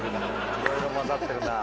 いろいろ混ざってるなあ。